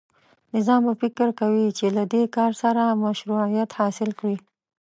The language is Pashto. نظام به فکر کوي چې له دې کار سره مشروعیت حاصل کړي.